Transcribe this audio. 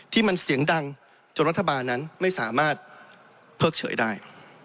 ที่มันเสียงดังจนรัฐบาลนั้นไม่สามารถเพิกเฉยได้